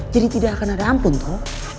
jadi tidak akan ada ampun tuh